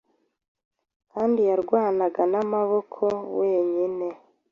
kandi yarwanaga namaboko wenyine